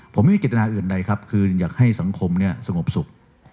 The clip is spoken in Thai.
ผมไม่มีกระจกิจนาอย่างไรครับคืออยากให้สังคมเนี่ยสงบสุข